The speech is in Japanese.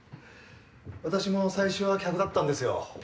私も最初は客だったんですよ。